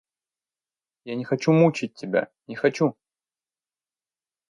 Я не хочу мучать тебя, не хочу!